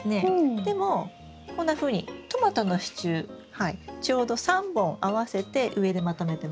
でもこんなふうにトマトの支柱ちょうど３本合わせて上でまとめてますよね？